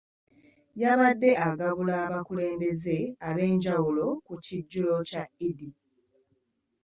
Yabadde agabula abakulembeze ab'enjawulo ku kijjulo kya Eid